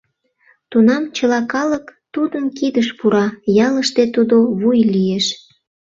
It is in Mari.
Тунам чыла калык тудын кидыш пура, ялыште тудо вуй лиеш.